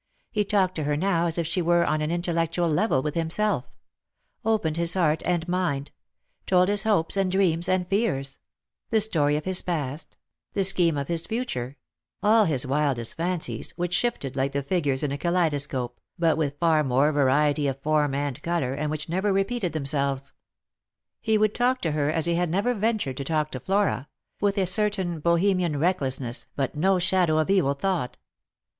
He talked to her now as if she were on an intellectual level with himself; opened his heart and mind ; told his hopes, and dreams, and fears ; the story of his past ; the scheme of his future ; all his wildest fancies, which shifted like the figures in a kaleido scope, but with far more variety of form and colour, and which never repeated themselves. He would talk to her as he had never ventured to talk to Flora — with a certain Bohemian reck lessness, but no shadow of evil thought.